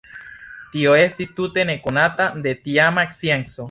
Tio estis tute nekonata de tiama scienco.